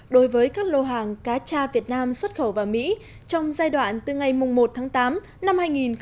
đối với các lô hàng cá cha việt nam xuất khẩu vào mỹ trong giai đoạn từ ngày một tháng tám năm hai nghìn một mươi chín